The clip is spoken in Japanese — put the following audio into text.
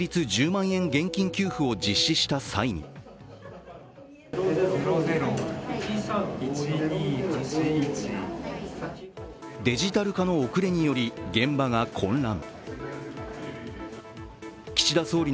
１０万円現金給付を実施した際にもデジタル化の遅れにより現場が混乱。